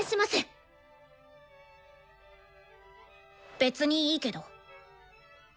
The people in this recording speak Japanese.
別にいいけど。